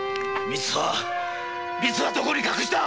みつはみつはどこに隠した！